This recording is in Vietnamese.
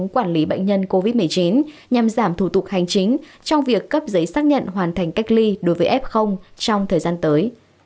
quản lý bệnh nhân covid một mươi chín nhằm giảm thủ tục hành chính trong việc cấp giấy xác nhận hoàn thành cách ly đối với f trong thời gian tới